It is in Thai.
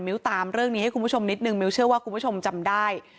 ตามเรื่องนี้ให้คุณผู้ชมนิดนึงมิ้วเชื่อว่าคุณผู้ชมจำได้